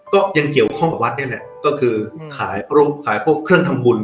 ก็ยังเกี่ยวข้องกับวัดนี่แหละก็คือขายพวกเครื่องทำบุญ